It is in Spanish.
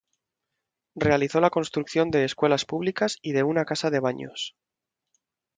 Realizó la construcción de escuelas públicas y de una casa de baños.